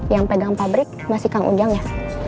yang pegang pabrik masih kang ujang ya